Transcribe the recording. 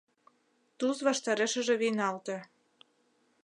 — Туз ваштарешыже вийналте.